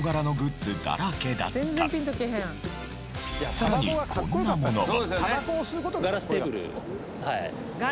さらにこんなものも。